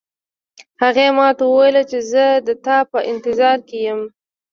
هغې ما ته وویل چې زه د تا په انتظار کې یم